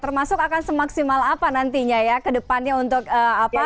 tai fundamental menuju ke depannya untuk apa